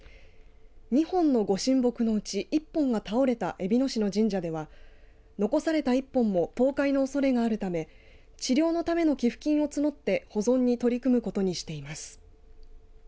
２本のご神木のうち１本が倒れたえびの市の神社では残された１本も倒壊のおそれがあるため治療のための寄付金を募って保存に取り組むことにしています。